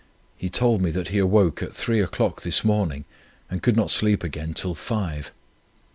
He told me that he awoke at three o'clock this morning and could not sleep again till five.